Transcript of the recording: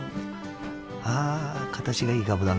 ああ形がいいかぶだな。